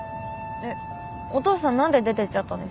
えっお父さんなんで出てっちゃったんですか？